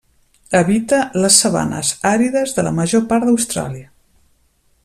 Habita les sabanes àrides de la major part d'Austràlia.